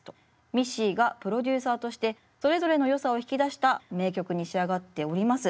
ミッシーがプロデューサーとしてそれぞれのよさを引き出した名曲に仕上がっております。